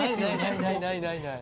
ないないないない。